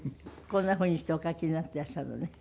こんなふうにしてお描きになっていらっしゃるのね。